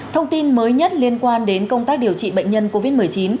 thông tin mới nhất liên quan đến công tác điều trị bệnh nhân covid một mươi chín